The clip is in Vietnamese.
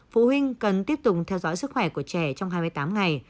phụ huynh cần tiếp tục theo dõi sức khỏe của trẻ trong hai mươi tám ngày